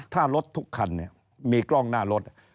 ถ้ารถทุกคันมีกล้องหน้ารถ